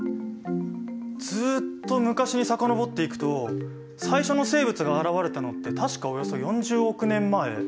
ずっと昔に遡っていくと最初の生物が現れたのって確かおよそ４０億年前。